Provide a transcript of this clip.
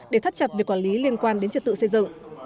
để thắt chặt việc quản lý liên quan đến trật tự xây dựng